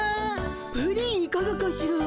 プリンいかがかしら？